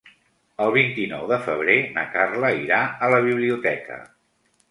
El vint-i-nou de febrer na Carla irà a la biblioteca.